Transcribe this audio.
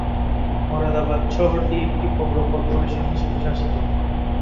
মোরাদাবাদ শহরটি একটি পৌর কর্পোরেশন হিসাবে শাসিত।